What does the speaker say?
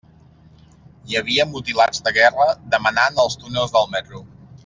Hi havia mutilats de guerra demanant als túnels del metro.